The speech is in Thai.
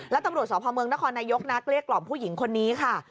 แล้วตำรวจสพเมืองนครนายกนะเกลี้ยกล่อมผู้หญิงคนนี้ค่ะ